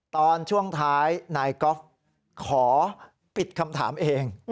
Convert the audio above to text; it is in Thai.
ตอนช่วงท้ายนายกอล์ฟขอปิดคำถามเอง